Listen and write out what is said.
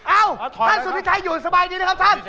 เอ้าท่านสุธิชัยอยู่สบายดีนะครับท่าน